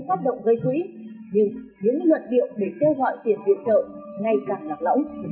phát động gây quỹ nhưng những luận điệu để kêu gọi tiền viện trợ ngày càng nặng lặng